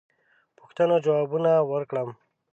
پوښتنو جوابونه ورکړم.